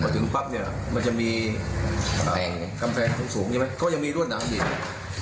ถึงปั๊บต้องมีกำแพงของสูงมีรวดหนั้นเยี่ยม่ะ